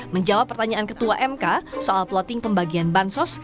menjawab pertanyaan ketua mk soal plotting pembagian bansos